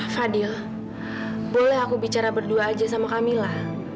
fadil boleh aku bicara berdua aja sama kamila